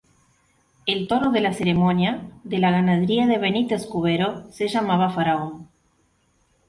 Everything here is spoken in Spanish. El toro de la ceremonia, de la ganadería de Benítez Cubero, se llamaba "Faraón".